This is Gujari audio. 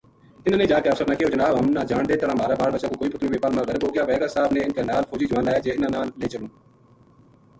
اِنھا ں نے جا کے افسر نے کہیو جناب ہم نا جان دے تنہاں مھارا بال بچا کو کوئی پتو نیہہ ویہ پل ما غرق ہو گیا وھے گا صاحب نے اِنھ کے نال فوجی جوان لایا جے اِنھاں نا لے چلوں